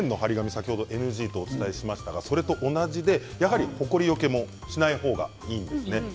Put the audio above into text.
先ほどＮＧとお伝えしましたがそれと同じで、ほこりよけもしない方がいいんですね。